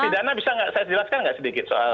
soal pidana bisa gak saya jelaskan gak sedikit soal